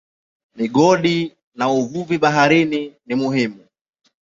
Migodi na uvuvi baharini ni muhimu.